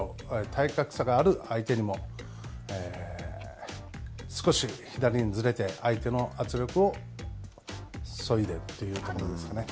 体格差がある相手にも少し左にずれて相手の圧力をそいでというところですね。